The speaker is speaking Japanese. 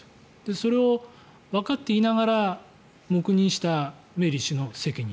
それをわかっていながら黙認したメリー氏の責任。